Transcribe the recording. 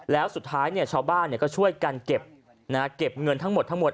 แล้วสุดท้ายชาวบ้านก็ช่วยกันเก็บเงินทั้งหมดทั้งหมด